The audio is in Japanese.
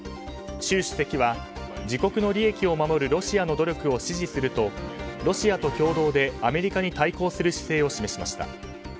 習主席は自国の利益を守るロシアの努力を支持するとロシアと共同でアメリカに対抗する姿勢を示しました。